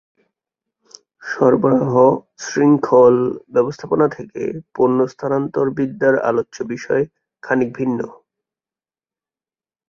সরবরাহ শৃঙ্খল ব্যবস্থাপনা থেকে পণ্য স্থানান্তর বিদ্যার আলোচ্য বিষয় খানিক ভিন্ন।